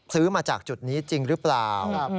ซื้อมาจากจุดนี้จริงหรือเปล่า